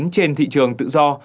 trên thị trường tự do